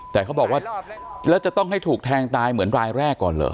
แต่เขาบอกว่าแล้วจะต้องให้ถูกแทงตายเหมือนรายแรกก่อนเหรอ